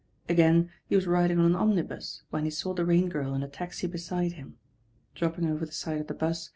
Agam. he was riding on an omnibus when he saw the Rain Girl in a taxi beside him. Drop" ping over the s '^ of the 'bus.